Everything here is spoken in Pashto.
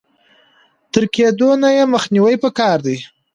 تر کېدونه يې مخنيوی په کار دی.